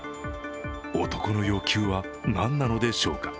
男の要求は何なのでしょうか。